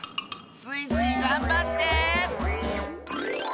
スイスイがんばって！